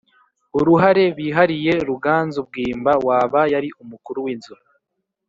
uruhare bihariye Ruganzu Bwimba waba yari umukuru w inzu